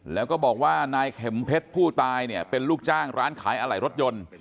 แล้วก็บอกว่านายเข็มเพชรผู้ตายเนี่ยเป็นลูกจ้างร้านขายอะไหล่รถยนต์